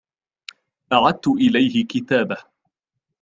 أعدت إليه كتابه.